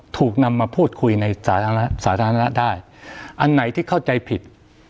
ถูกนำมาพูดคุยในสาธารณะสาธารณะได้อันไหนที่เข้าใจผิด